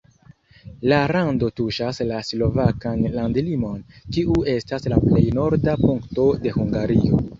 La rando tuŝas la slovakan landlimon, kiu estas la plej norda punkto de Hungario.